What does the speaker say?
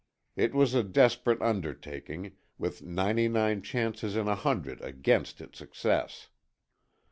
It was a desperate undertaking, with ninety nine chances in a hundred against its success.